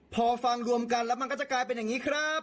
พอฟังรวมกันแล้วมันก็จะกลายเป็นอย่างนี้ครับ